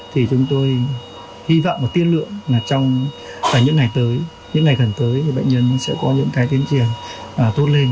thì chúng tôi hy vọng một tiên lượng là trong những ngày tới những ngày gần tới thì bệnh nhân sẽ có những cái tiến triển tốt lên